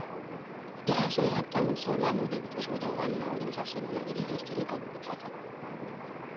ድሃ ሰው የሃብታሙን ሰው ላም ወደ ግጦሽ ወደ ውሃና ወደመሳሰሉት ነገር እየወሰደ ይጠብቃታል፡፡